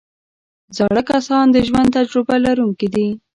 زاړه کسان د ژوند تجربه لرونکي دي